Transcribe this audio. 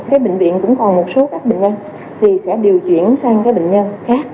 các bệnh viện cũng còn một số các bệnh nhân thì sẽ điều chuyển sang các bệnh nhân khác